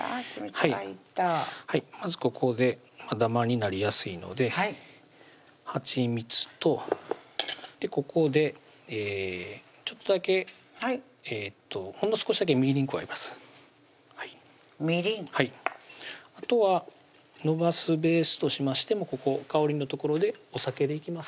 まずここでダマになりやすいのではちみつとここでちょっとだけほんの少しだけみりん加えますみりんはいあとはのばすベースとしましてもここ香りのところでお酒でいきます